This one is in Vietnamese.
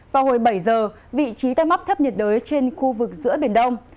vào hồi bảy giờ vị trí tâm áp thấp nhiệt đới trên khu vực giữa biển đông